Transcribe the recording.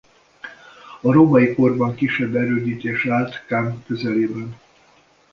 A római korban kisebb erődítés állt Kam közelében.